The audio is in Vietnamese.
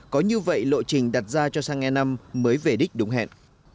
có như vậy lộ trình đặt ra cho sang e năm mới về đích đúng hẹn